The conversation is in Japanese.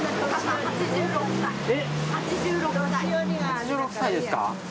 ８６歳ですか？